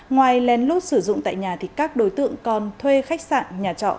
ngoài lén lút sử dụng tại nhà thì các đối tượng còn thuê khách sạn nhà trọ